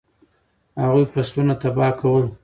هغوی فصلونه تباه کول.